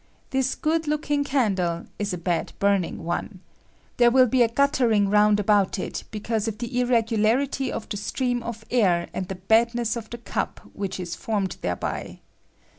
This good looking candle ia a bad burning one. There will be a guttering round about it because of the irregularity of the stream of air and the bad ness of the cup which is formed thereby.